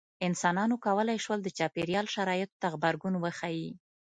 انسانانو کولی شول د چاپېریال شرایطو ته غبرګون وښيي.